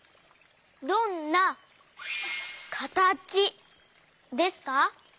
どんなかたちですか？